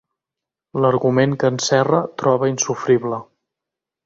L'argument que en Serra troba insofrible.